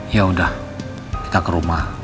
ya udah kita ke rumah